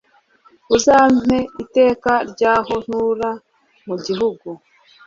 uzampe iteka ry'aho ntura mu gihugu